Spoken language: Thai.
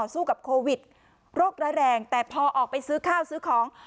สู้กับโควิดโรคร้ายแรงแต่พอออกไปซื้อข้าวซื้อของ